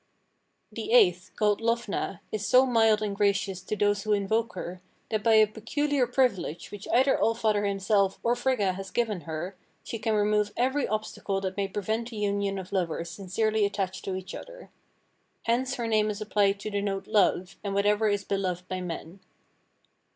The eighth, called Lofna, is so mild and gracious to those who invoke her, that by a peculiar privilege which either All Father himself or Frigga has given her, she can remove every obstacle that may prevent the union of lovers sincerely attached to each other. Hence her name is applied to denote love, and whatever is beloved by men.